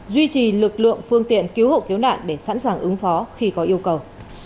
duy trì lực lượng phương tiện cứu hộ cứu nạn để sẵn sàng ứng phó khi có yêu cầu